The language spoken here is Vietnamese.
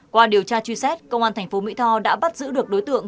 qua điều tra truy xét công an tp mỹ tho đã bắt giữ được đối tượng